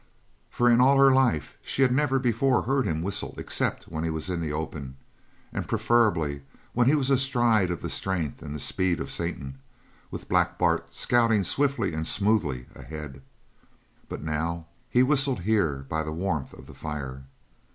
For in all her life she had never before heard him whistle except when he was in the open, and preferably when he was astride of the strength and the speed of Satan, with Black Bart scouting swiftly and smoothly ahead. But now he whistled here by the warmth of the fire.